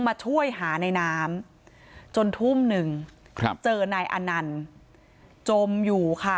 มาช่วยหาในน้ำจนทุ่มหนึ่งครับเจอนายอนันต์จมอยู่ค่ะ